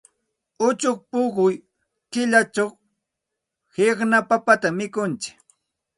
Uchik puquy killachaq qiqna papatam mikuntsik.